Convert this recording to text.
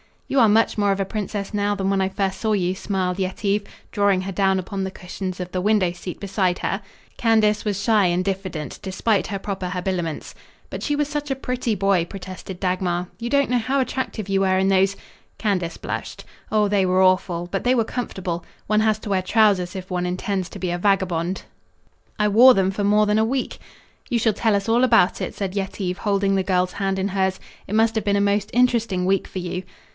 "You are much more of a princess now than when I first saw you," smiled Yetive, drawing her down upon the cushions of the window seat beside her. Candace was shy and diffident, despite her proper habiliments. "But she was such a pretty boy," protested Dagmar. "You don't know how attractive you were in those " Candace blushed. "Oh, they were awful, but they were comfortable. One has to wear trousers if one intends to be a vagabond. I wore them for more than a week." "You shall tell us all about it," said Yetive, holding the girl's hand in hers. "It must have been a most interesting week for you."